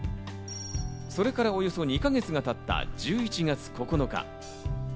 それから、およそ２か月がたった１１月９日。